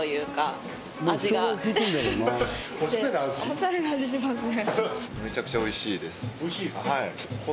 おしゃれな味しますね